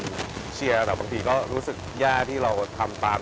คือเราคุยกันเหมือนเดิมตลอดเวลาอยู่แล้วไม่ได้มีอะไรสูงแรง